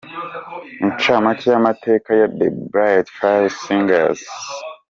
Incamake y’amateka ya 'The Bright Five Singers'.